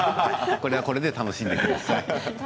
これはこれで楽しんでください。